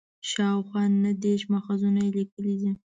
شاوخوا نهه دېرش ماخذونه یې کتلي دي.